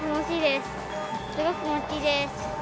すごく気持ちいいです。